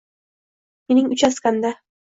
Mening uchastkamda